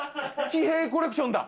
喜平コレクションだ！